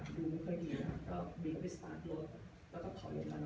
ดูไม่ค่อยดีนะก็บีกเขาไปสตาร์ทรถแล้วก็ขอเห็นกันแล้ว